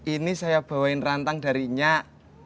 ini saya bawain rantang dari nyak